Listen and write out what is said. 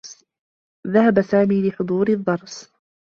ذهب سامي لحضور الدّرس.